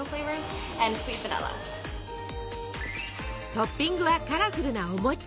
トッピングはカラフルなお餅。